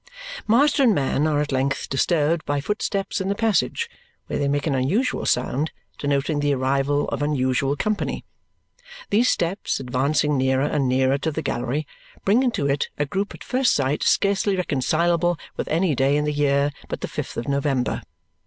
Master and man are at length disturbed by footsteps in the passage, where they make an unusual sound, denoting the arrival of unusual company. These steps, advancing nearer and nearer to the gallery, bring into it a group at first sight scarcely reconcilable with any day in the year but the fifth of November.